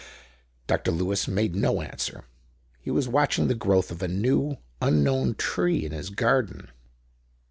Dr. Lewis made no answer. He was watching the growth of a new, unknown tree in his garden.